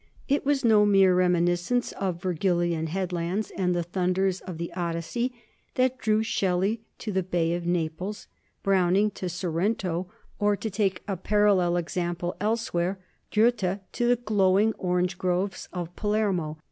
It was no mere reminiscence of ' Vergilian headlands ' and the thunders of the Odys sey that drew Shelley to the Bay of Naples, Browning to Sorrento, or, to take a parallel example elsewhere, THE NORMAN KINGDOM OF SICILY 219 Goethe to the glowing orange groves of Palermo.